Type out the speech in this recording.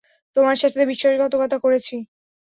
তোমার সাথে বিশ্বাসঘাতকতা করেছি।